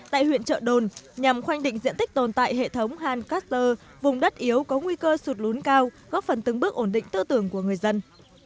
tại huyện chợ đồn nhằm khoanh định diện tích tồn tại hệ thống hàng cát dơ vùng đất yếu có nguy cơ sụt lún cao góp phần từng bước ổn định tư tưởng của người dân